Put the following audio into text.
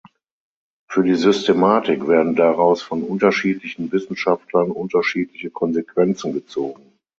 Für die Systematik werden daraus von unterschiedlichen Wissenschaftlern unterschiedliche Konsequenzen gezogen.